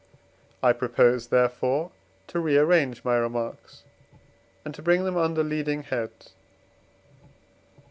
I propose, therefore, to rearrange my remarks and to bring them under leading heads.